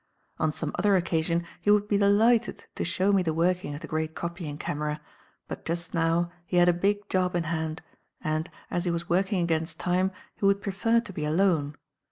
On some other occasion he would be delighted to show me the working of the great copying camera, but, just now, he had a big job in hand, and, as he was working against time, he would prefer to be alone.